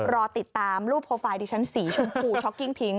รอติดตามรูปโปรไฟล์ดิฉันสีชมพูช็อกกิ้งพิง